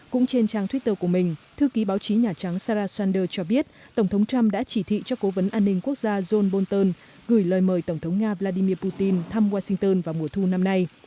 cũng trên trang twitter của mình thư ký báo chí nhà trắng sarah sanders cho biết tổng thống trump đã chỉ thị cho cố vấn an ninh quốc gia john bolton gửi lời mời tổng thống nga vladimir putin thăm washington vào mùa thu năm nay